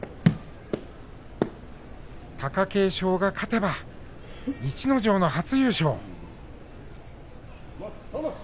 貴景勝が勝てば逸ノ城の初優勝。